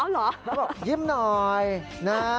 แล้วบอกยิ้มหน่อยนะ